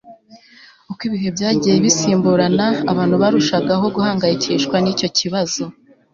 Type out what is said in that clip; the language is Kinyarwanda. uko ibihe byagiye bisimburana, abantu barushagaho guhangayikishwa nicyo kibazo